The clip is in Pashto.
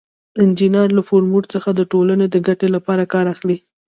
انجینر له فورمول څخه د ټولنې د ګټې لپاره کار اخلي.